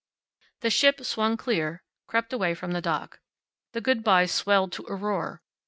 The ship swung clear, crept away from the dock. The good bys swelled to a roar.